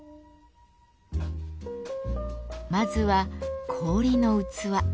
まずは氷の器。